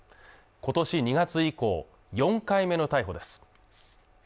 今年２月以降４回目の逮捕です